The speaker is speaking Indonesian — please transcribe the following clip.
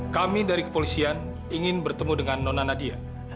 kami dari kepolisian ingin bertemu dengan nona nadia